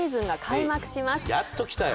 やっときたよ。